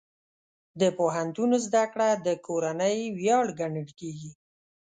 د پوهنتون زده کړه د کورنۍ ویاړ ګڼل کېږي.